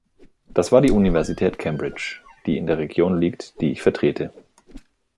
Das war die Universität Cambridge, die in der Region liegt, die ich vertrete.